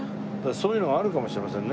そういうのがあるかも知れませんね